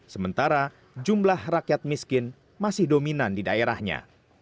sementara jumlah rakyat miskin masih dominan di daerahnya